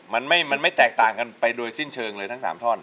มันไม่แตกต่างกันไปโดยสิ้นเชิงเลยทั้ง๓ท่อน